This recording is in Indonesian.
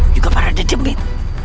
juga para dedemit